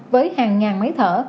với hàng ngàn máy thở